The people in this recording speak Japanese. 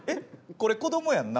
これ子どもやんな。